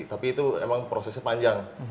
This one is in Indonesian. tapi itu emang prosesnya panjang